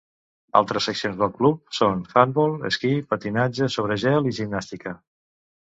Altres seccions del club són handbol, esquí, patinatge sobre gel i gimnàstica.